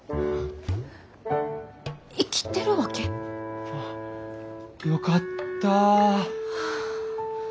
生きてるわけ？あっよかった。